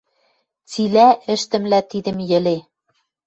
Цилӓ ӹштӹмлӓ тидӹм йӹле.